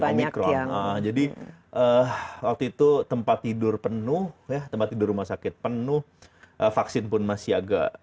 omikron jadi waktu itu tempat tidur penuh ya tempat tidur rumah sakit penuh vaksin pun masih agak